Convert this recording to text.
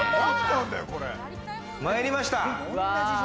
参りました。